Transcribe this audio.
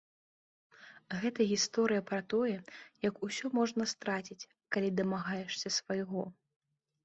Гэта гісторыя пра тое, як усё можна страціць, калі дамагаешся свайго.